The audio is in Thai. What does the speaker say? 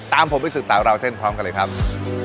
ตามผมไปศึกต่อเล่าเส้นพร้อมกันเลยครับ